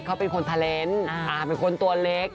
เขาเป็นคนเทอร์เลนส์เป็นคนตัวเล็ก